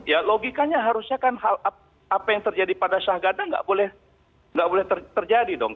ya logikanya harusnya kan hal apa yang terjadi pada syahgada nggak boleh terjadi dong